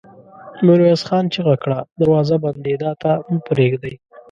ميرويس خان چيغه کړه! دروازه بندېدا ته مه پرېږدئ!